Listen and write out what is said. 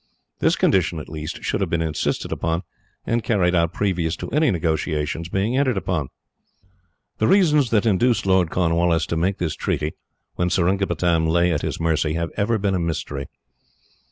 This condition, at least, should have been insisted upon, and carried out previous to any negotiations being entered upon. The reasons that induced Lord Cornwallis to make this treaty, when Seringapatam lay at his mercy, have ever been a mystery.